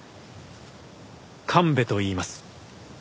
神戸といいます。